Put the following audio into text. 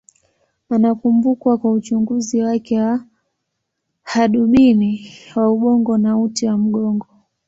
Anakumbukwa kwa uchunguzi wake wa hadubini wa ubongo na uti wa mgongo.